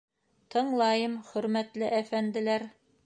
— Тыңлайым, хөрмәтле әфәнделәр.